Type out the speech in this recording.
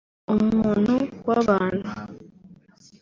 umuntu w’abantu